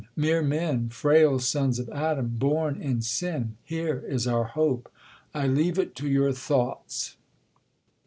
Mere men, frail sons of Adam, born in sin. Jlsra is our hope. I leave it to your thoughts.